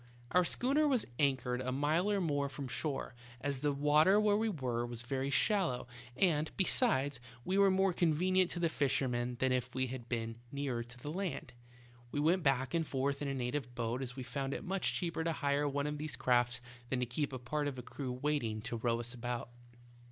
"Our schooner was anchored a mile or more from shore, as the water where we were was very shallow, and, besides, we were more convenient to the fishermen than if we had been nearer to the land. We went back and forth in a native boat, as we found it much cheaper to hire one of these crafts than to keep a part of a crew waiting to row us about.